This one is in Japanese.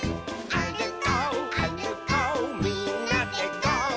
「あるこうあるこうみんなでゴー！」